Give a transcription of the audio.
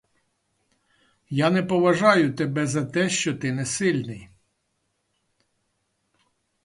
Я не поважаю тебе за те, що ти не сильний.